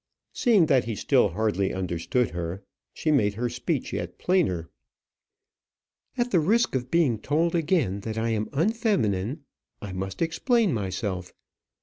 Seeing that he still hardly understood her, she made her speech yet plainer. "At the risk of being told again that I am unfeminine, I must explain myself.